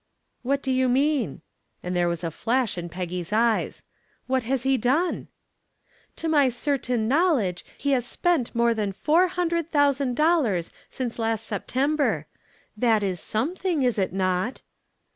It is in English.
"What do you mean?" And there was a flash in Peggy's eyes. "What has he done?" "To my certain knowledge he has spent more than four hundred thousand dollars since last September. That is something, is it not?"